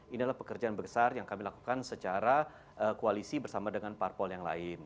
ini adalah pekerjaan besar yang kami lakukan secara koalisi bersama dengan parpol yang lain